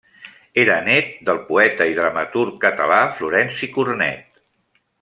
Era nét del poeta i dramaturg català Florenci Cornet.